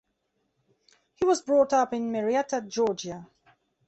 He was brought up in Marietta, Georgia.